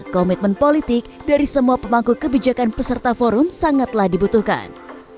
komitmen politik dari semua pemangku kebijakan peserta forum sangatlah dibutuhkan